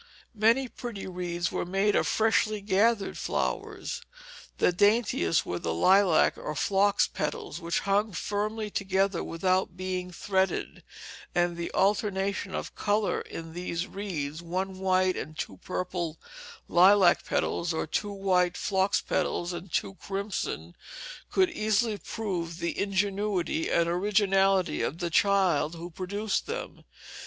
Many pretty wreaths were made of freshly gathered flowers. The daintiest were of lilac or phlox petals, which clung firmly together without being threaded, and the alternation of color in these wreaths one white and two purple lilac petals, or two white phlox petals and two crimson could easily prove the ingenuity and originality of the child who produced them.